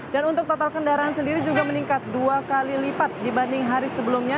dan untuk total kendaraan sendiri juga meningkat dua kali lipat dibanding hari sebelumnya